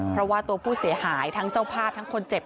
เพราะว่าตัวผู้เสียหายทั้งเจ้าภาพทั้งคนเจ็บ